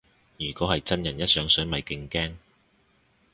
如果係真人一上水咪勁驚